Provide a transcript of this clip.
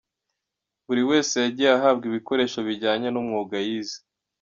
Buri wese yagiye ahabwa ibikoresho bijyanye n’umwuga yize.